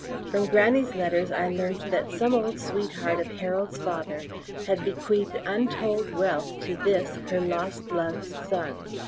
From grannie's letters I learnt that some old sweetheart of Harold's father had bequeathed untold wealth to this her lost love's son.